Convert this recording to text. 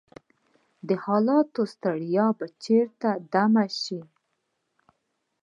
د حالاتو ستړی به چیرته دمه شي؟